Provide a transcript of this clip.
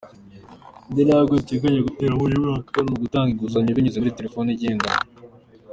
Indi ntambwe duteganya gutera muri uyu mwaka ni ugutanga inguzanyo binyuze kuri telefoni igendanwa.